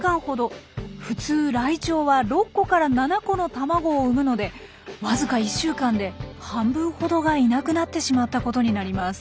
普通ライチョウは６個から７個の卵を産むのでわずか１週間で半分ほどがいなくなってしまったことになります。